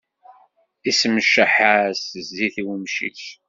Issemceḥ-as zzit i wemcic.